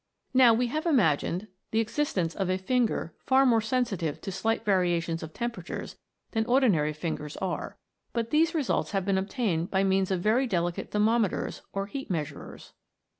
Now, we have imagined the existence of a finger far more sensitive to slight variations of temperature than ordinary fingers are, but these results have been obtained by means of very delicate thermometers, or heat measurers.